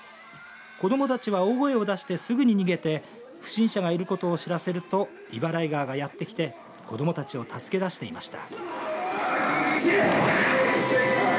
子どもたちは大声を出してすぐに逃げて不審者がいることを知らせるとイバライガーがやって来て子どもたちを助け出していました。